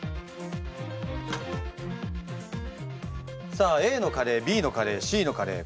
さあＡのカレーＢのカレーＣのカレー